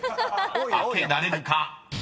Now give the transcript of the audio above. ［開けられるか］